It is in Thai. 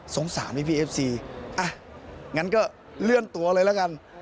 สงสารไอ้พี่เอฟซีอะงั้นก็เลื่อนตัวเลยแล้วกัน